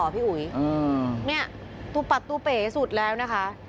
พี่อุ๋ยเนี่ยตัวปัดตูเป๋สุดแล้วนะคะ